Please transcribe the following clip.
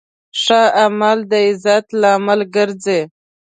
ښه عمل د عزت لامل ګرځي.